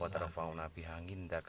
jangan lupa untuk berlangganan